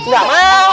gak mau ani